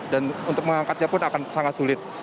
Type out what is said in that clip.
dan untuk mengangkatnya pun akan sangat sulit